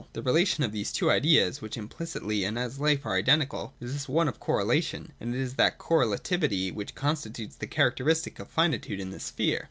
224.] The relation of these two ideas, which implicitly and as Hfe are i^dentical, is thus one of correlation : and it is that correlativity which constitutes the characteristic of finitude in this sphere.